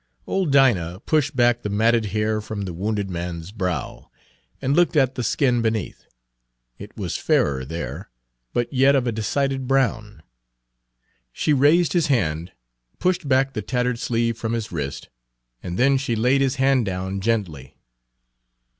Old Dinah pushed back the matted hair from the wounded man's brow, and looked at the skin beneath. It was fairer there, but yet of a decided brown. She raised his hand pushed back the tattered sleeve from his wrist and then she laid his hand down gently.